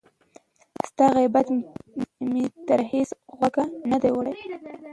ستا غیبت مي تر هیڅ غوږه نه دی وړی